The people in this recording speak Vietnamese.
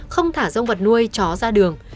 không thả dông vật nuôi chó ra đường